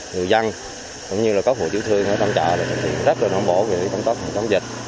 nhiều dân cũng như là có phụ tiểu thương ở trong chợ thì rất là nông bộ vì không có phòng chống dịch